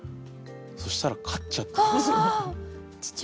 そしたら勝っちゃったんですよ。